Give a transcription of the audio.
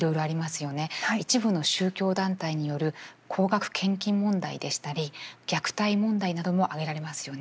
一部の宗教団体による高額献金問題でしたり虐待問題なども挙げられますよね。